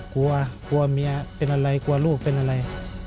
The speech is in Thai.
กลัวกลัวเมียเป็นอะไรกลัวลูกเป็นอะไร